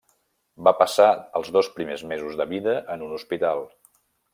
Va passar els dos primers mesos de vida en un hospital.